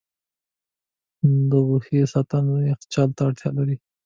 د غوښې ساتنه یخچال ته اړتیا لري.